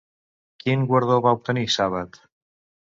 Quin guardó va obtenir Sàbat?